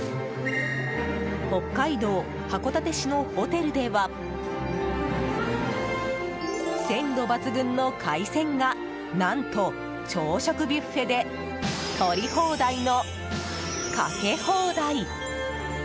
北海道函館市のホテルでは鮮度抜群の海鮮が何と朝食ビュッフェで取り放題のかけ放題！